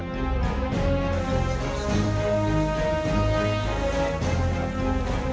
tak ada yang akan memperbaiki